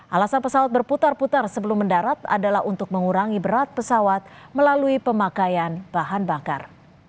alasan pesawat berputar putar sebelum mendarat adalah untuk mengurangi berat pesawat melalui pemakaian bahan bakar